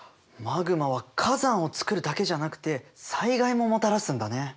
マグマは火山をつくるだけじゃなくて災害ももたらすんだね。